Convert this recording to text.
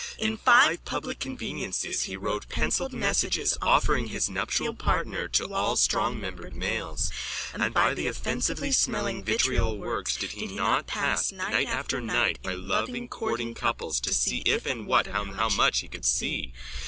In five public conveniences he wrote pencilled messages offering his nuptial partner to all strongmembered males. And by the offensively smelling vitriol works did he not pass night after night by loving courting couples to see if and what and how much he could see?